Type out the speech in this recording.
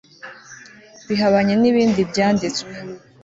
bihabanye n'ibindi byanditswe